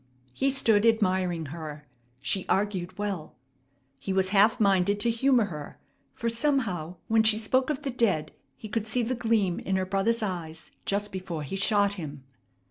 He stood admiring her. She argued well. He was half minded to humor her, for somehow when she spoke of the dead he could see the gleam in her brother's eyes just before he shot him.